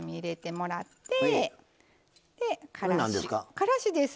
からしです。